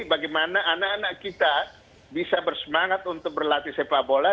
bagaimana anak anak kita bisa bersemangat untuk berlatih sepak bola